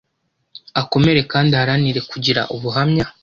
akomere kandi aharanire kugira ubuhamya